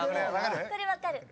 これ分かる。